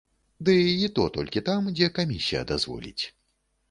Ды і то толькі там, дзе камісія дазволіць.